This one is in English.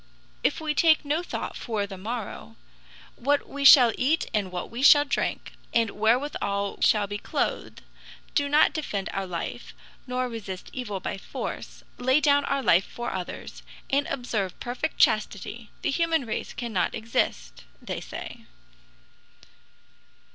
"If we take no thought for the morrow, what we shall eat and what we shall drink, and wherewithal we shall be clothed, do not defend our life, nor resist evil by force, lay down our life for others, and observe perfect chastity, the human race cannot exist," they say.